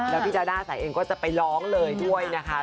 แล้วพี่ดาด้าสายเองก็จะไปร้องเลยด้วยนะคะ